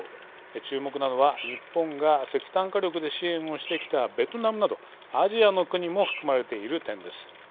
注目なのは日本が石炭火力で支援をしてきたベトナムなどアジアの国も含まれている点です。